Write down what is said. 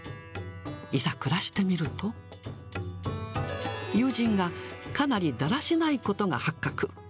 いざ、暮らしてみると、友人がかなりだらしないことが発覚。